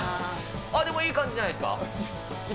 でもいい感じじゃないですか？